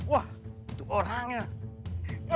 wah itu orangnya